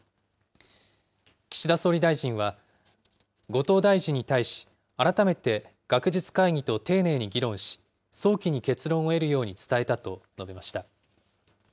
岸田総理大臣は後藤大臣に対し、改めて学術会議と丁寧に議論し、早期に結論を得るように伝えたと述べました。